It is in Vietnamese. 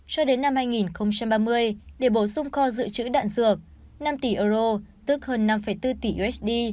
cho đến năm hai nghìn ba mươi để bổ sung kho dự trữ đạn dược năm tỷ euro tức hơn năm bốn tỷ usd